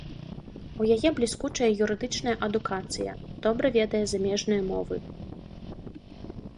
У яе бліскучая юрыдычная адукацыя, добра ведае замежныя мовы.